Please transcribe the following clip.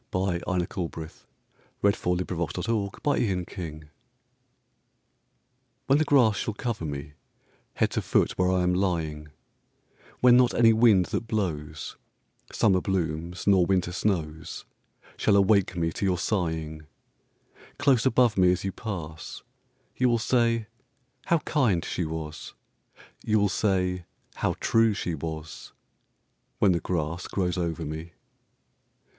By InaCoolbrith 965 When the Grass Shall Cover Me WHEN the grass shall cover me, Head to foot where I am lying; When not any wind that blows, Summer blooms nor winter snows, Shall awake me to your sighing:Close above me as you pass, You will say, "How kind she was,"You will say, "How true she was,"When the grass grows over me.